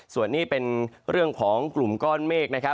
ส่วนนี้เป็นเรื่องของกลุ่มก้อนเมฆนะครับ